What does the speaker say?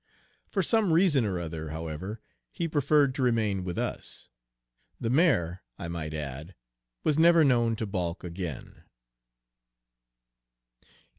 For some reason or other, however, he preferred to remain with us. The mare, I might add, was never known to balk again.